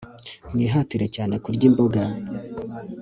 Mwihatire cyane kurya imboga